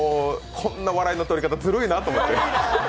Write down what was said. こんな笑いのとり方ずるいなと思って。